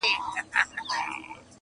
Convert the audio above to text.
په زړه سخت لکه د غرونو ځناور وو-